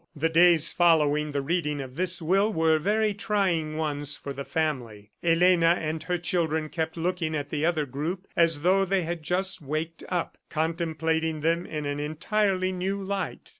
The days following the reading of this will were very trying ones for the family. Elena and her children kept looking at the other group as though they had just waked up, contemplating them in an entirely new light.